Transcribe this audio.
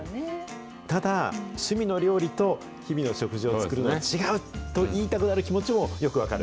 ただ、趣味の料理と日々の食事を作るのは違うと言いたくなる気持ちもよく分かる。